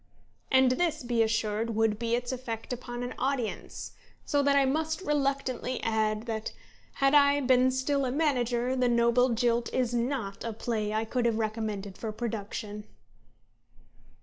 And this, be assured, would be its effect upon an audience. So that I must reluctantly add that, had I been still a manager, The Noble Jilt is not a play I could have recommended for production."